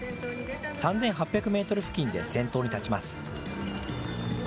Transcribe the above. ３８００メートル付近で先頭に立ちます。